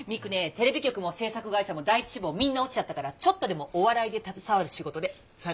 テレビ局も制作会社も第１志望みんな落ちちゃったからちょっとでもお笑いで携わる仕事で探してんだって。